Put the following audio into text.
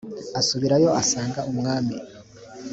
asubirayo asanga umwami.